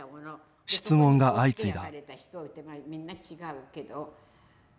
質問が相次いだ